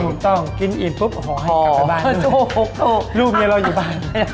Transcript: ถูกต้องกินอิ่มปุ๊บโอ้โหให้กลับไปบ้านลูกเมียเราอยู่บ้าน